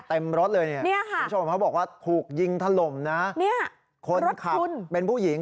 เต็มรถเลยเนี่ยคุณผู้ชมเขาบอกว่าถูกยิงถล่มนะคนขับเป็นผู้หญิง